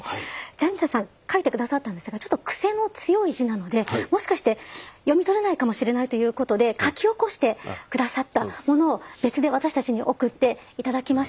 ジャニタさん書いて下さったんですがちょっと癖の強い字なのでもしかして読み取れないかもしれないということで書き起こして下さったものを別で私たちに送って頂きまして。